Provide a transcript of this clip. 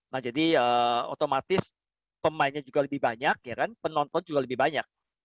nah jadi otomatis pemainnya juga lebih banyak penonton juga lebih banyak